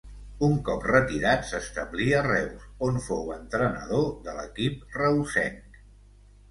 Un cop retirat s'establí a Reus on fou entrenador de l'equip reusenc.